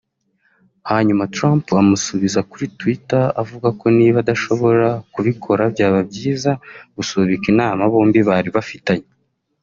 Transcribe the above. hanyuma Trump amusubiza kuri Twitter avuga ko niba adashobora kubikora byaba byiza gusubika inama bombi bari bafitanye